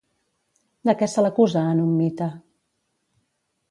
De què se l'acusa en un mite?